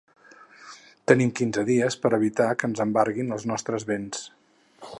Tenim quinze dies per evitar que ens embarguin els nostres béns.